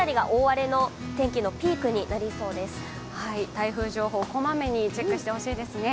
台風情報、こまめにチェックしてほしいですね。